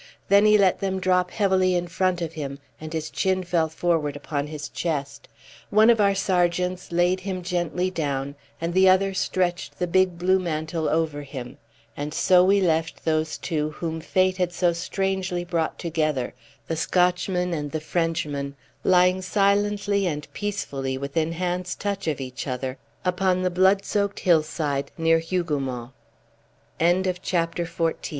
Then he let them drop heavily in front of him, and his chin fell forward upon his chest. One of our sergeants laid him gently down, and the other stretched the big blue mantle over him; and so we left those two whom Fate had so strangely brought together, the Scotchman and the Frenchman, lying silently and peacefully within hand's touch of each other, upon the blood soaked hillside near Hougoumont. CHAPTER XV. THE EN